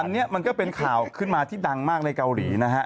อันนี้มันก็เป็นข่าวขึ้นมาที่ดังมากในเกาหลีนะฮะ